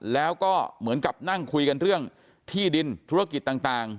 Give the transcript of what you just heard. แล้วก็เหมือนกับนั่งคุยกันเรื่องที่ดินธุรกิจต่าง